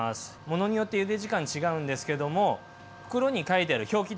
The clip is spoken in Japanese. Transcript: ものによってゆで時間違うんですけども袋に書いてある表記どおりで結構です。